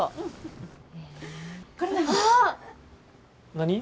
何？